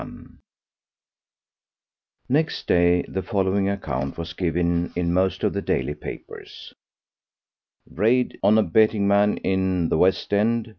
XLI Next day the following account was given in most of the daily papers: "Raid on a betting man in the West End.